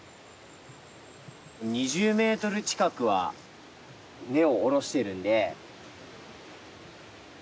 ２０メートル近くは根を下ろしてるんで。